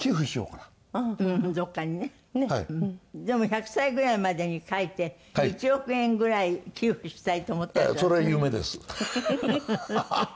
でも１００歳ぐらいまでに描いて１億円ぐらい寄付したいと思ってるんだって？